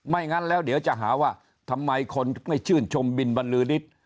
งั้นแล้วเดี๋ยวจะหาว่าทำไมคนไม่ชื่นชมบินบรรลือฤทธิ์